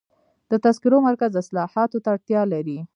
د تذکرو مرکز اصلاحاتو ته اړتیا لري.